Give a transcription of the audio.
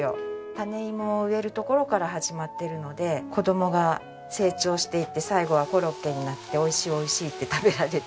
種芋を植えるところから始まってるので子どもが成長していって最後はコロッケになって美味しい美味しいって食べられる。